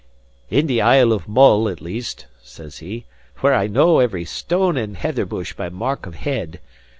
"In the Isle of Mull, at least," says he, "where I know every stone and heather bush by mark of head.